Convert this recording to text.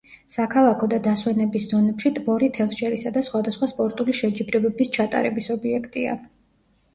საქალაქო და დასვენების ზონებში ტბორი თევზჭერისა და სხვადასხვა სპორტული შეჯიბრებების ჩატარების ობიექტია.